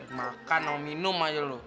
biar makan mau minum aja lo